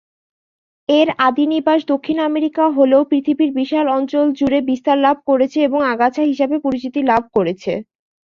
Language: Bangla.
এর আদি নিবাস দক্ষিণ আমেরিকা হলেও পৃথিবীর বিশাল অঞ্চল জুড়ে বিস্তার লাভ করেছে এবং আগাছা হিসেবে পরিচিতি লাভ করেছে।